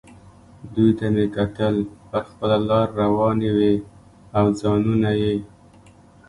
دوی ته مې کتل، پر خپله لار روانې وې او ځانونه یې.